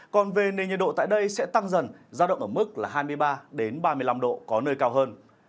còn về nền nhiệt độ tại đây sẽ tăng dần giao động ở mức là hai mươi ba ba mươi năm độ có nơi cao hơn